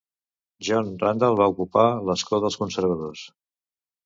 John Randall va ocupar l'escó dels Conservadors.